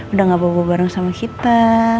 udah gak bawa bareng sama kita